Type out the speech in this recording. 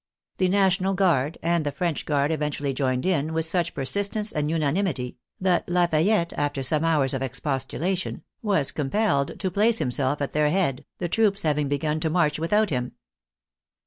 The National Guard and the French Guard eventually joined in, with such persistence and unanimity, that Lafayette, after some hours of expostulation, was compelled to place himself at their head, the troops having begun to march without him.